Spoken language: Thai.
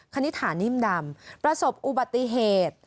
คณิฐานิ่มดำประสบอุบัติเหตุ